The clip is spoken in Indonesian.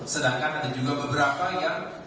sedangkan ada juga beberapa yang